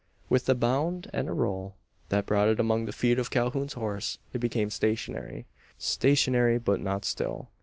With a bound and a roll that brought it among the feet of Calhoun's horse it became stationary. Stationary, but not still.